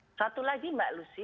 nah satu lagi mbak lucy